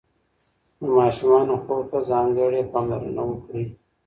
د ماشومانو خوب ته ځانګړې پاملرنه وکړئ.